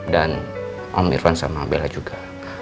dan om irfan sama bella juga